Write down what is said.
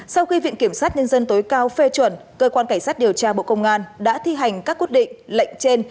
sau khi viện kiểm sát nhân dân tối cao phê chuẩn cơ quan cảnh sát điều tra bộ công an đã thi hành các quyết định lệnh trên